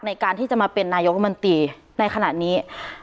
ในการที่จะมาเป็นนายกรัฐมนตรีในขณะนี้